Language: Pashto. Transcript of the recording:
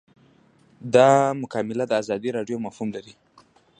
دا مکالمه د ازادې ارادې مفهوم لري.